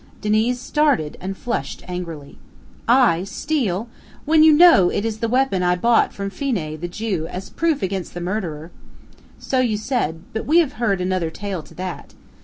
Diniz started, and flushed angrily. "I steal? When you know it is the weapon I bought from Phenee, the Jew, as proof against the murderer." "So you said; but we have heard another tale to that.